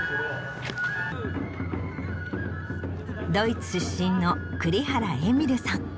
ドイツ出身の栗原エミルさん。